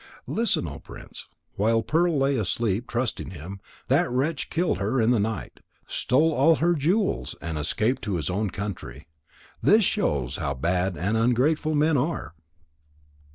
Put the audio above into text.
Listen, O Prince. While Pearl lay asleep trusting him, that wretch killed her in the night, stole all her jewels, and escaped to his own country. This shows how bad and ungrateful men are.